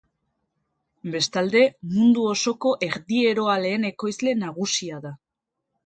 Bestalde, mundu osoko erdieroaleen ekoizle nagusia da.